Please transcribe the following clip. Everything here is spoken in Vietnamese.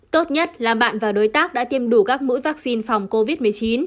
tốt nhất là bạn và đối tác đã tiêm đủ các mũi vaccine phòng covid một mươi chín